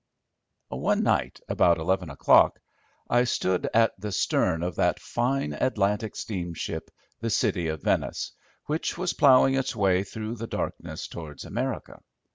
One night about eleven o'clock I stood at the stern of that fine Atlantic steamship, the City of Venice, which was ploughing its way through the darkness towards America.